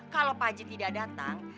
kalau pak haji tidak datang